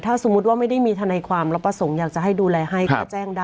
ถ้าสมมุติว่าไม่ได้มีทนายความแล้วประสงค์อยากจะให้ดูแลให้ก็แจ้งได้